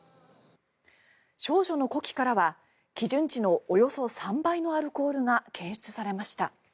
少女の呼気からは基準値のおよそ３倍のアルコールが検出されました。